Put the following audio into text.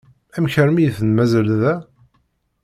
Amek armi i ten-mazal da?